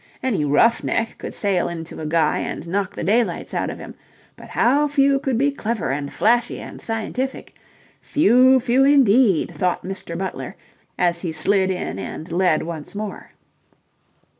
Any roughneck could sail into a guy and knock the daylights out of him, but how few could be clever and flashy and scientific? Few, few, indeed, thought Mr. Butler as he slid in and led once more.